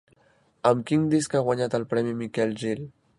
Amb quin disc ha guanyat el premi Miquel Gil?